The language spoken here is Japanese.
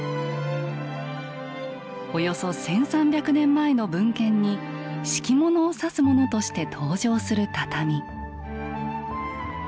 およそ１，３００年前の文献に敷物を指すものとして登場する畳。